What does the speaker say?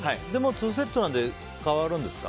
２セットなんで代わるんですか。